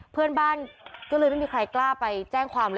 เพื่อนบ้านก็เลยไม่มีใครกล้าไปแจ้งความเลย